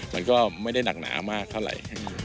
มันก็ไม่ได้หนักหนามากเท่าไหร่